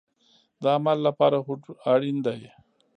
د عمل لپاره هوډ اړین دی